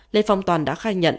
lê phong toàn đã khai nhận